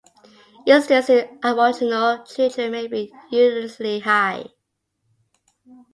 Incidence in aboriginal children may be unusually high.